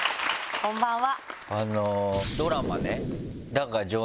こんばんは。